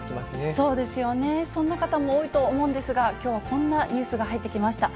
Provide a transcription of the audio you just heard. そういう方も多いとは思うんですが、きょうはこんなニュースが入ってきました。